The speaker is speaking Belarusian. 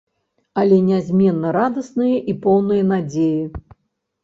Але нязменна радасныя і поўныя надзеі.